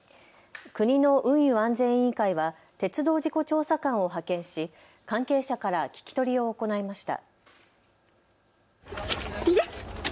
国の運輸安全委員会は鉄道事故調査官を派遣し関係者から聞き取りを行いました。